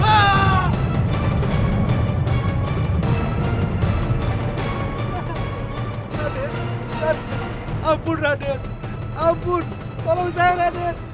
raden raden ampun raden ampun tolong saya raden